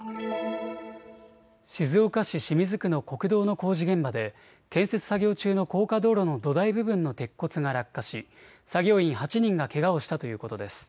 静岡市清水区の国道の工事現場で建設作業中の高架道路の土台部分の鉄骨が落下し、作業員８人がけがをしたということです。